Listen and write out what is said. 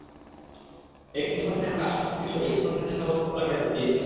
একই সময়ে আমরা আশরাফকে স্যরিয়ে ইরফানের জন্য পথ খোলা রেখে দিয়েছিলাম।